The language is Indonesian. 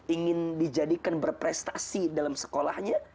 ingin dijadikan berprestasi dalam sekolahnya